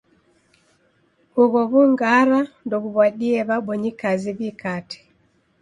Ugho w'ungara ndoghuw'adie w'abonyi kazi w'ikate.